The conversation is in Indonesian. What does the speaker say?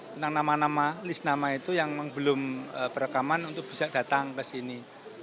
tentang nama nama list nama itu yang belum perekaman untuk bisa datang ke sini